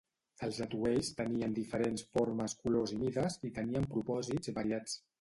Els atuells tenien diferents formes, colors i mides, i tenien propòsits variats.